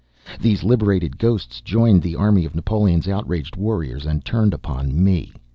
These liberated ghosts joined the army of Napoleon's outraged warriors, and turned upon me.